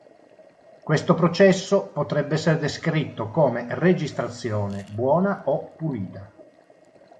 Questo processo potrebbe essere descritto come "registrazione" buona o pulita.